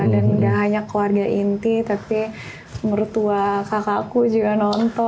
dan gak hanya keluarga inti tapi mertua kakakku juga nonton